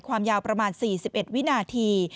ความยาวประมาณ๔๑วินาที